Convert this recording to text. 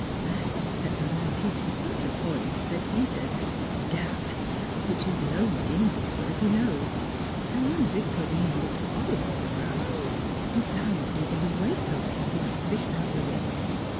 That upset the Marquis to such a point that he said "Damn," which is the only English word he knows, and when Victorine looked horribly surprised, he dived into his waistcoat pocket and fished out the ring.